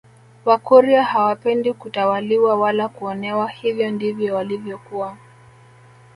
Wakurya hawapendi kutawaliwa wala kuonewa hivyo ndivyo walivyokuwa